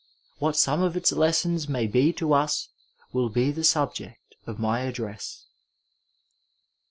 What some of its lessoils may be to us will be the subject of my address.